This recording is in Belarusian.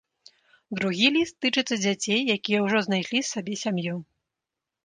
Другі ліст тычыцца дзяцей, якія ўжо знайшлі сабе сям'ю.